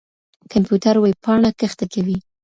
کمپيوټر وېبپاڼه کښته کوي.